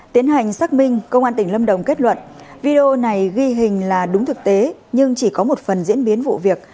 tiến hành xác minh công an tỉnh lâm đồng kết luận video này ghi hình là đúng thực tế nhưng chỉ có một phần diễn biến vụ việc